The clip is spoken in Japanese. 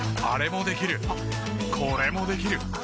あれもできるこれもできる。